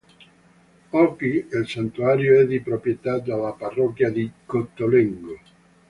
Oggi il santuario è di proprietà della parrocchia di Gottolengo.